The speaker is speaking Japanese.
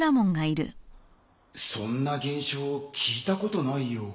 そんな現象聞いたことないよ。